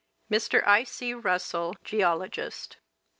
Mr. I. C. Russell, Geologist.